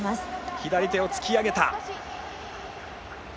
左手を突き上げた！